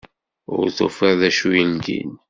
Ur tufiḍ d acu yeldin.